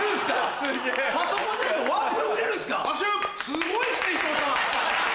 すごいっすね伊藤さん。